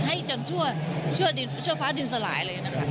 ให้จนชั่วฟ้าดินสลายเลยนะคะ